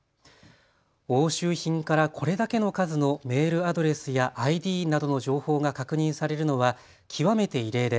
押収品からこれだけの数のメールアドレスやＩＤなどの情報が確認されるのは極めて異例で